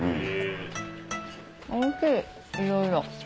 いろいろ。